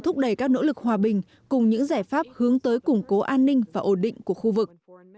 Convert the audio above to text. thúc đẩy các nỗ lực hòa bình cùng những giải pháp hướng tới củng cố an ninh và ổn định của khu vực